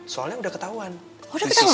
soalnya udah ketahuan udah ketahuan